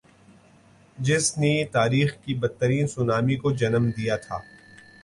جس نی تاریخ کی بدترین سونامی کو جنم دیا تھا۔